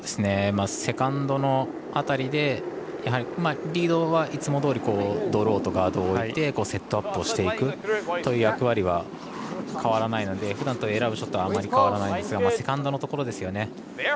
セカンドの辺りでリードはいつもどおりドローとかを置いてセットアップをしていくという役割は変わらないのでふだんと選ぶショットはあまり変わらないんですがセカンドのところですね。